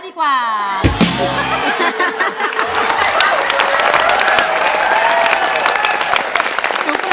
แก้มขอมาสู้เพื่อกล่องเสียงให้กับคุณพ่อใหม่นะครับ